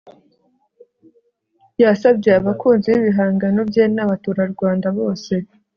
yasabye abakunzi b'ibihangano bye n'abaturarwanda bose